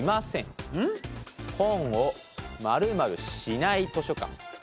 本を○○しない図書館。